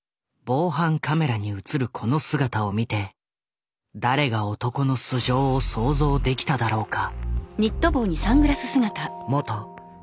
防犯カメラにうつるこの姿を見て誰が男の素性を想像できただろうか。